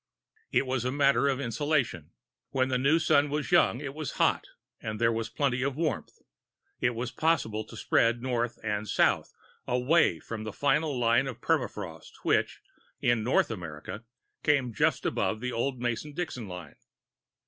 It was a matter of insulation. When the new Sun was young, it was hot, and there was plenty of warmth; it was possible to spread north and south, away from final line of permafrost which, in North America, came just above the old Mason Dixon line.